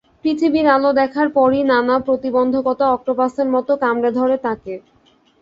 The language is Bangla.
পৃথিবীর আলো দেখার পরই নানা প্রতিবন্ধকতা অক্টোপাসের মতো কামড়ে ধরে তাঁকে।